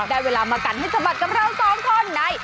ได้เวลามากัดให้สะบัดกับเราสองคนใน